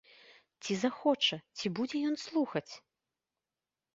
Ці захоча, ці будзе ён слухаць?